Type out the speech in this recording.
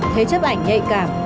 thế chấp ảnh nhạy cảm